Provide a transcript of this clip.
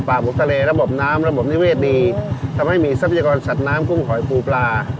ผงทะเลระบบน้ำระบบนิเวศดีทำให้มีทรัพยากรสัตว์น้ำกุ้งหอยปูปลา